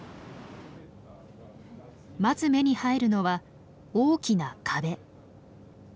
まず目に入るのは大きな壁。